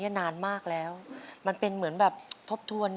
เอ๋ยหัวผมเอ๋ย